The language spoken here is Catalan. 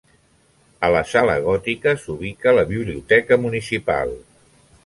A la sala Gòtica s'ubica la Biblioteca municipal.